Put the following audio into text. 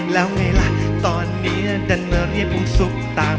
แล้วไงล่ะตอนนี้ดันมาเรียบคุ้มสุขต่าง